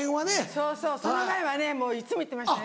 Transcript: そうそうその前はねもういつも行ってましたね。